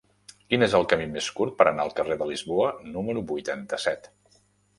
Quin és el camí més curt per anar al carrer de Lisboa número vuitanta-set?